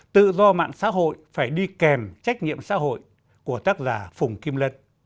tự do mạng xã hội phải đi kèm trách nhiệm xã hội của tác giả phùng kim lân